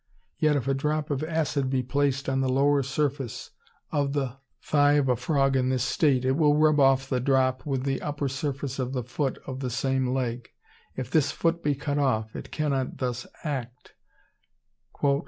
Yet if a drop of acid be placed on the lower surface of the thigh of a frog in this state, it will rub off the drop with the upper surface of the foot of the same leg. If this foot be cut off, it cannot thus act.